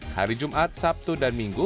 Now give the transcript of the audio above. hari jumat sabtu dan minggu